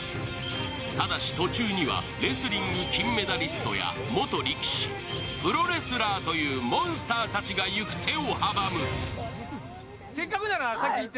ただし、途中にはレスリング金メダリストやプロレスラーというモンスターたちが行く手を阻む。